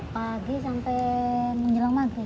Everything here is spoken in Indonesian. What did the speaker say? pagi sampai menjelang maghrib